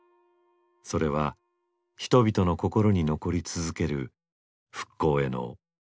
それは人々の心に残り続ける復興への大きな一歩だった。